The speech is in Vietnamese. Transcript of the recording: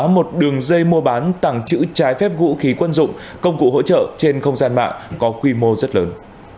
một đường dây mua bán tàng trữ trái phép vũ khí quân dụng công cụ hỗ trợ trên không gian mạng có quy mô rất lớn